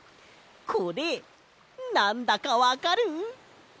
これなんだかわかる？